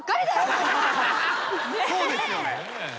そうですよね。